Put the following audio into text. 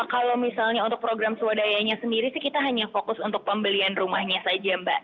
kalau misalnya untuk program swadayanya sendiri sih kita hanya fokus untuk pembelian rumahnya saja mbak